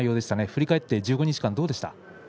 振り返って１５日間どうでしたか。